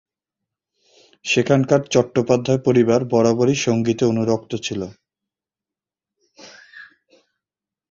সেখানকার চট্টোপাধ্যায় পরিবার বরাবরই সঙ্গীতে অনুরক্ত ছিল।